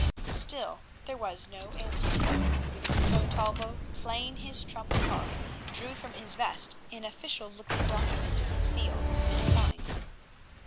Still there was no answer. Montalvo, playing his trump card, drew from his vest an official looking document, sealed and signed.